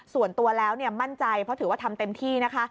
ส่วนตัวแล้วมั่นใจเพราะถือว่าทำเต็มที่นะคะ